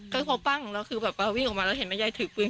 ก็พอปั้งเราคือแบบวิ่งออกมาแล้วเห็นมันยายถือปืน